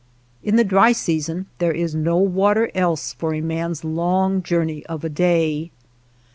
In the dry season there is no water else for a man s long journey of a day.